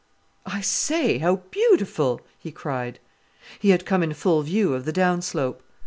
"I say, how beautiful!" he cried. He had come in full view of the downslope.